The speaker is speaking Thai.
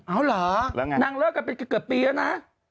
เอาเหรอนางเลิกกันเป็นเกือบปีแล้วนะ